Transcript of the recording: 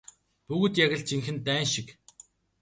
Бүгд яг л жинхэнэ дайн шиг.